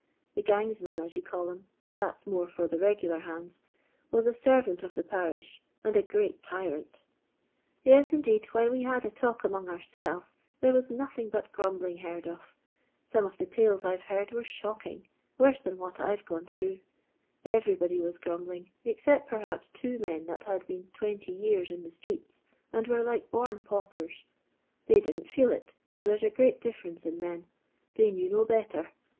The gangsman, as you call him, but that 's more for the regular hands, waa a aervant of the parish, and a great tyrant LONDON LABOUR AND THB LONDON POOR. 249 Ym^ ixideed, when we bad a talk among ounelTeB, lliefs was nothisg but grnmbling beard of. Some of tbe tales IVe beard were aboddsg; wone tban what I We gone through. Bverybody was grumbling, except perhaps two men that had been 20 years in the streets, and were like bom panpen. They didn't fieel it, for there 's a great diflFerence in men. They knew no better.